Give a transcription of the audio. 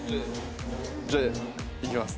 じゃあいきます。